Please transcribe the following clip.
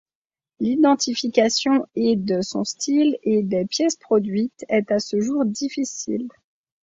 L'identification et de son style et des pièces produites est à ce jour difficile.